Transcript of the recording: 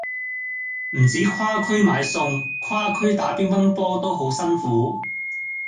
唔止跨區買餸，跨區打乒乓波都好辛苦